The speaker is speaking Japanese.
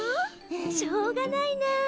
しょうがないなあ。